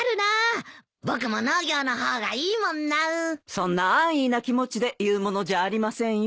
そんな安易な気持ちで言うものじゃありませんよ。